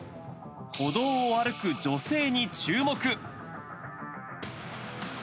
歩道を歩く女性に注目。